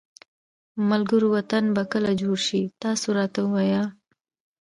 ملګروو وطن به کله جوړ شي تاسو راته ووایی ها